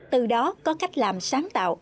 từ đó có cách làm sáng tạo